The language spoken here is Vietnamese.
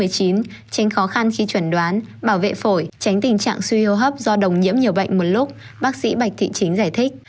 tranh khó khăn khi chuẩn đoán bảo vệ phổi tránh tình trạng suy hô hấp do đồng nhiễm nhiều bệnh một lúc bác sĩ bạch thị chính giải thích